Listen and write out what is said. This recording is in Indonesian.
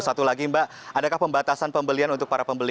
satu lagi mbak adakah pembatasan pembelian untuk para pembeli